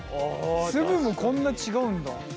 粒もこんな違うんだ！